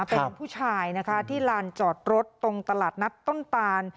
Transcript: เป็นผู้ชายนะคะที่ลานจอดรถตรงตลาดนัดต้นตาน